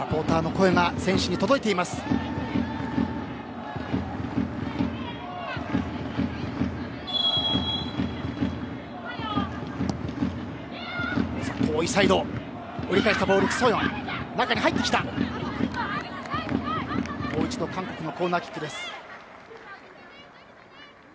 もう一度韓国のコーナーキック。